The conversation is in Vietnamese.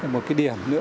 một cái điểm nữa